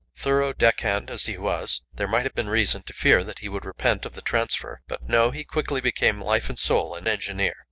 Thorough deck hand as he was, there might have been reason to fear that he would repent of the transfer; but no, he quickly became life and soul an engineer.